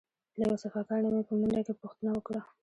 له یو صفاکار نه مې په منډه کې پوښتنه وکړه.